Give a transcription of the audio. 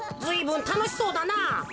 ずいぶんたのしそうだな。